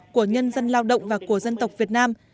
của nhân dân lao động và của dân tộc việt nam